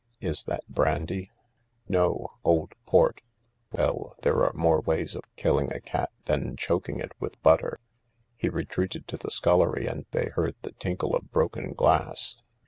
Is that brandy ?"» No — old port ; well, there are more ways of killing a cat than choking it with butter." He retreated to the scullery, and they heard the tinkle of broken glass.